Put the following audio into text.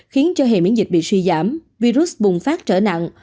khiến cho hệ miễn dịch bị suy giảm virus bùng phát trở nặng